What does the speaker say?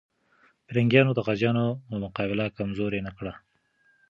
پرنګیان د غازيانو مقابله کمزوري نه کړه.